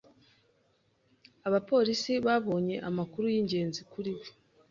Abapolisi babonye amakuru y'ingenzi kuri we.